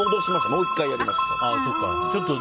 もう１回やりました。